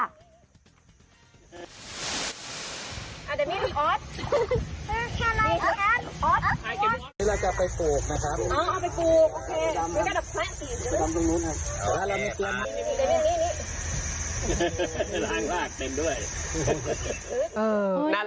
อ่ะเดมินอ๊อต